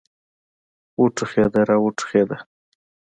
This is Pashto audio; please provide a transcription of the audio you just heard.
وټوخېده را وټوخېده.